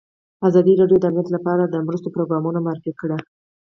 ازادي راډیو د امنیت لپاره د مرستو پروګرامونه معرفي کړي.